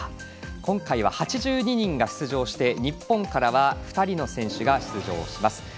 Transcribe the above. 今回は８２人が出場して日本からは２人の選手が出場。